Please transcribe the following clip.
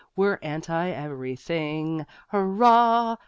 We're anti everything Hurrah!